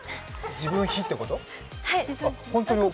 自分比ってこと？